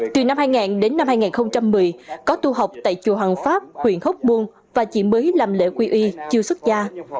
từ năm hai nghìn đến năm hai nghìn một mươi có tu học tại chùa hoàng pháp huyện hốc buôn và chỉ mới làm lễ quy y chưa xuất gia